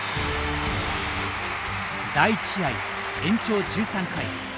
第１試合延長１３回